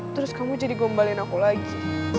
terus kamu jadi gombalin aku lagi